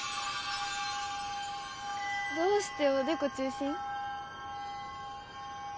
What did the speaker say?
どうしておでこ中心？